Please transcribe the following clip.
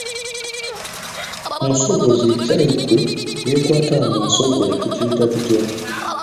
Omusogozi ekyayi kwe yeekwata ng’asogola tukiyita tutya?